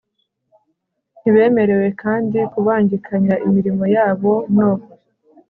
Ntibemerewe kandi kubangikanya imirimo yabo no